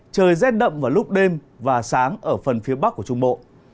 trời rét đậm vào lúc đêm và sáng ở phần phía bắc của trung bộ